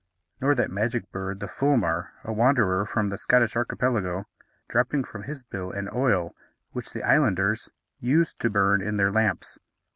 Nor that magic bird, the fulmar, a wanderer from the Scottish archipelago, dropping from his bill an oil which the islanders used to burn in their lamps.